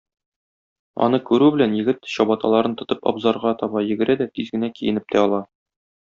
Аны күрү белән, егет, чабаталарын тотып, абзарга таба йөгерә дә тиз генә киенеп тә ала.